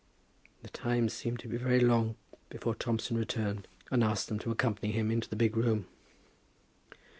The time seemed to be very long before Thompson returned and asked them to accompany him into the big room.